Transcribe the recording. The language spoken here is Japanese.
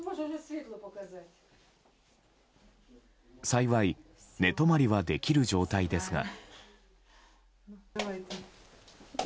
幸い、寝泊まりはできる状態ですが。